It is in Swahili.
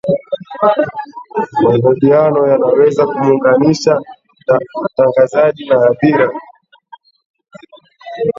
mahojiano yanaweza kumuunganisha mtangazaji na hadhira